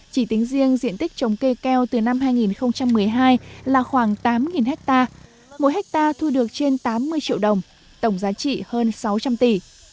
chỉ tính riêng diện tích trồng cây keo từ năm hai nghìn một mươi hai là khoảng tám ha mỗi hectare thu được trên tám mươi triệu đồng tổng giá trị hơn sáu trăm linh tỷ